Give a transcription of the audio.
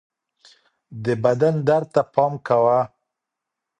د بدن درد ته پام کوه